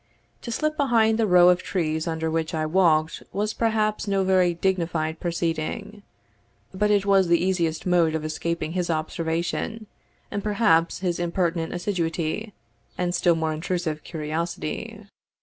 To slip behind the row of trees under which I walked was perhaps no very dignified proceeding; but it was the easiest mode of escaping his observation, and perhaps his impertinent assiduity, and still more intrusive curiosity.